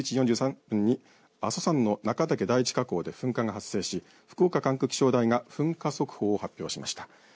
きょう午前１１時４３分に阿蘇山の中岳第一火口で噴火が発生し福岡管区気象台が噴火速報を発表しました。